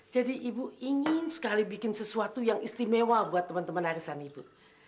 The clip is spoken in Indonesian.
jadi ibu ingin sekali bikin sesuatu yang istimewa buat teman teman arisan ibu